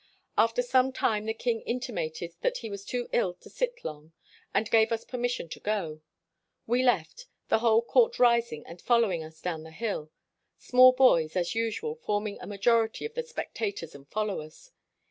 "After some time the king intimated that he was too ill to sit long, and gave us per mission to go. We left, the whole court ris ing and following us down the hill — small boys, as usual, forming a majority of the spectators and followers.